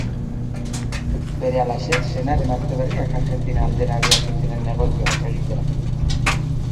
Berehalaxe, senar-emazte berriak Argentina aldera abiatu ziren negozioak egitera.